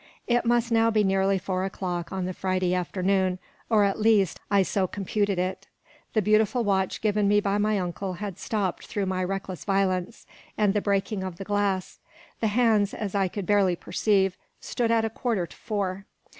It must now be nearly four o'clock on the Friday afternoon, or at least I so computed it. The beautiful watch given me by my Uncle had stopped through my reckless violence, and the breaking of the glass. The hands, as I could barely perceive, stood at a quarter to four.